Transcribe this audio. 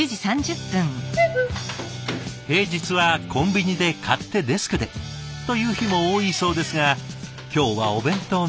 平日はコンビニで買ってデスクでという日も多いそうですが今日はお弁当の日。